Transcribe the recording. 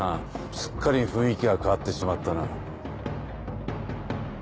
すっかり雰囲気が変わってしまったな。